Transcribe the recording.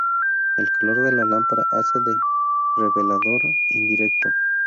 El calor de la lámpara hace de revelador indirecto.